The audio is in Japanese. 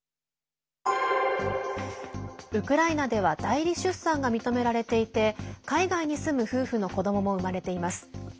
ウクライナでは代理出産が認められていて海外に住む夫婦の子どもも生まれています。